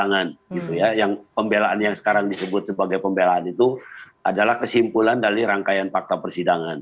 dan juga dari rangkaian fakta persidangan gitu ya yang pembelaan yang sekarang disebut sebagai pembelaan itu adalah kesimpulan dari rangkaian fakta persidangan